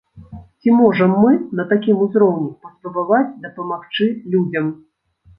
Ці можам мы на такім узроўні паспрабаваць дапамагчы людзям?